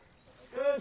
よし！